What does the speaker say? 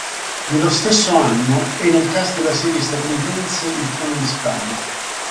Nello stesso anno è nel cast della serie statunitense "Il Trono di Spade".